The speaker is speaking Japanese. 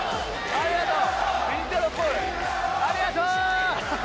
ありがとう！